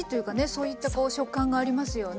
そういった食感がありますよね。